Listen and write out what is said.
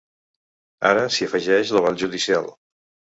Ara s’hi afegeix l’aval judicial.